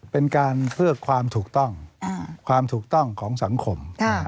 เป็นการเพื่อความถูกต้องความถูกต้องของสังคม